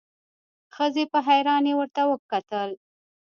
ښځې په حيرانی ورته وکتل.